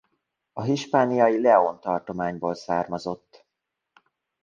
A hispániai León tartományból származott.